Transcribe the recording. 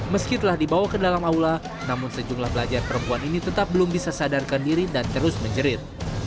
meski telah dibawa ke dalam aula namun sejumlah pelajar perempuan ini tetap belum bisa sadarkan diri dan terus menjerit